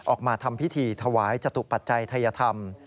ออกมาทำพิธีถวายจตุปัจจัยทัยธรรม